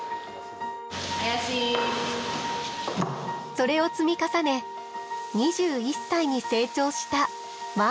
それを積み重ね２１歳に成長したマオ。